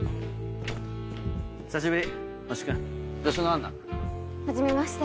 久しぶり星君助手のアンナ。はじめまして。